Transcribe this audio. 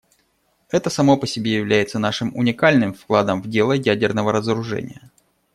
Это само по себе является нашим уникальным вкладом в дело ядерного разоружения.